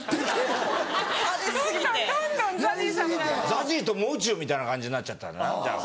ＺＡＺＹともう中みたいな感じになっちゃったんだじゃあ。